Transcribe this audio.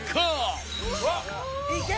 いけ！